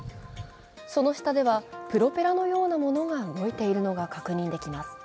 その下ではプロペラのようなものが動いているのが確認できます。